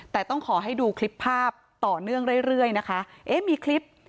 แต่ต้องขอให้ดูคลิปภาพต่อเนื่องเรื่อยเรื่อยนะคะเอ๊ะมีคลิป